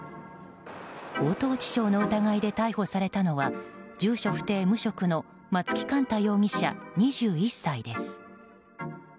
強盗致傷の疑いで逮捕されたのは住所不定・無職の松木幹太容疑者、２１歳です。